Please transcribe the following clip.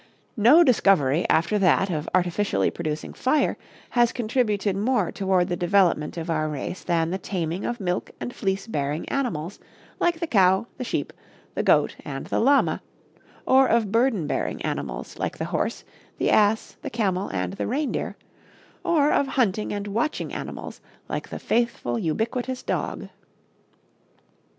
No discovery after that of artificially producing fire has contributed more toward the development of our race than the taming of milk and fleece bearing animals, like the cow, the sheep, the goat and the llama, or of burden bearing animals, like the horse, the ass, the camel and the reindeer, or of hunting and watching animals like the faithful, ubiquitous dog.